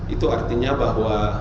itu artinya bahwa